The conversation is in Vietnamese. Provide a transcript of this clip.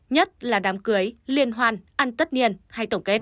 nhất là đám cưới liên hoan ăn tất niên hay tổng kết